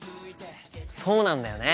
そうなんだよね。